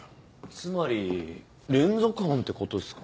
つまり連続犯ってことですか？